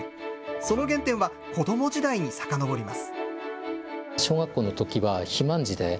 その原点は、子ども時代にさかのぼります。